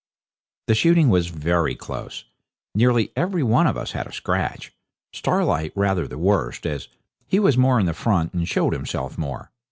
The shooting was very close. Nearly every one of us had a scratch Starlight rather the worst, as he was more in the front and showed himself more.